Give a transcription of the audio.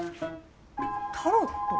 タロット？